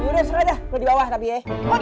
yaudah seret aja gua di bawah tapi ya